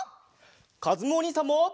かずむおにいさんも。